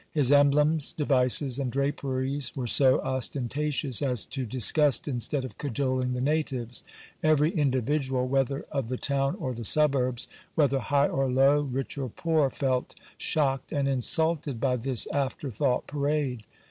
His emblems, devices, and draperies, were so ostentatious, as to disgust instead of cajoling the natives : every individual, whether of the town or the suburbs, whether high or low, rich or poor, felt shocked and insulted by this after thought parade.